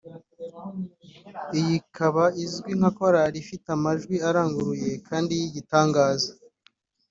iyi ikaba izwi nka korali ifite amajwi aranguruye kandi y'igitangaza